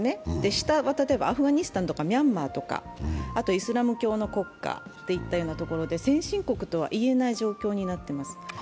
下は、例えばアフガニスタンとかミャンマーとか、あとはイスラム教の国家といったところで先進国とは言えない状況になっています。